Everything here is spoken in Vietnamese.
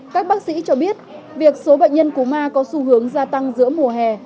các bác sĩ cho biết việc số bệnh nhân cúm a có xu hướng gia tăng giữa mùa hè